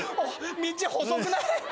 道細くない？